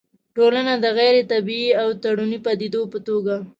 ټولنه د غيري طبيعي او تړوني پديدې په توګه